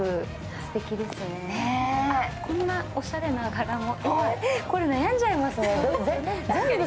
こんなおしゃれな柄も。